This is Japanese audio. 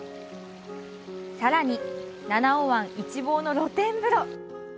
さらに、七尾湾一望の露天風呂。